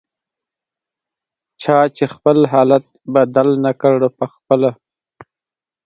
چا چې خپل حالت بدل نکړ پخپله